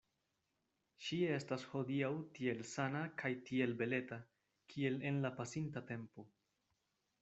Ŝi estas hodiaŭ tiel sana kaj tiel beleta, kiel en la pasinta tempo.